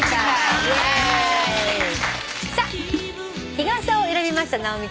「日傘」を選びました直美ちゃん